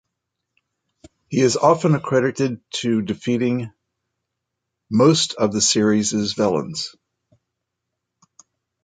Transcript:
He is also often accredited to defeating most of the series' villains.